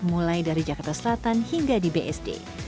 mulai dari jakarta selatan hingga di bsd